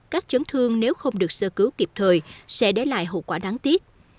các chấn thương nếu không được sơ cứu kịp thời sẽ để lại hậu quả đáng tiếc